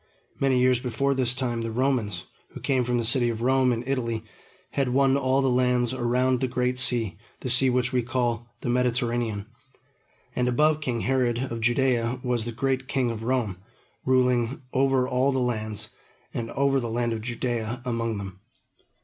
Many years before this time, the Romans, who came from the city of Rome in Italy, had won all the lands around the Great Sea, the sea which we call the Mediterranean; and above king Herod of Judea was the great king of Rome, ruling over all the lands, and over the land of Judea among them.